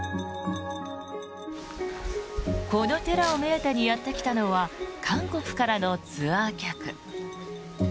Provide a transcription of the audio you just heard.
この寺を目当てにやってきたのは韓国からのツアー客。